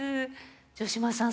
城島さん